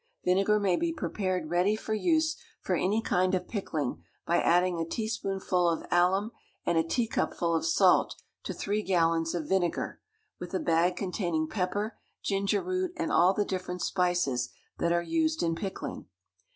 Vinegar may be prepared ready for use for any kind of pickling by adding a teaspoonful of alum and a teacupful of salt to three gallons of vinegar, with a bag containing pepper, ginger root, and all the different spices that are used in pickling.